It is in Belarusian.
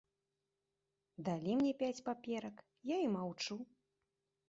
Далі мне пяць паперак, я і маўчу.